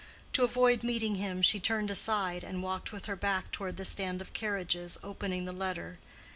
To avoid meeting him she turned aside and walked with her back toward the stand of carriages, opening the letter.